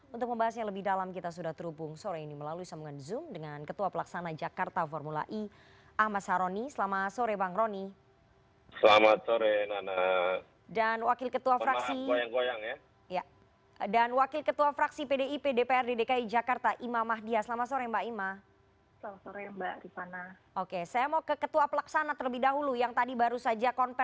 untuk membahasnya lebih dalam kita sudah terhubung sore ini melalui sambungan zoom dengan ketua pelaksana jakarta formula e ahmad saroni